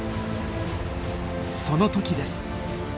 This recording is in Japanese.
その時です。